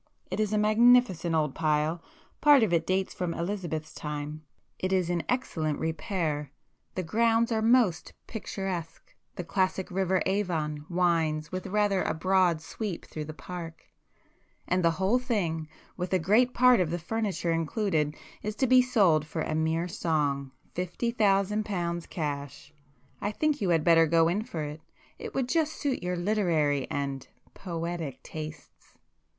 It is a magnificent old pile; part of it dates from Elizabeth's time. It is in excellent repair; the grounds are most picturesque, the classic river Avon winds with rather a broad sweep through the park,—and the whole thing, with a great [p 121] part of the furniture included, is to be sold for a mere song;—fifty thousand pounds cash. I think you had better go in for it; it would just suit your literary and poetic tastes."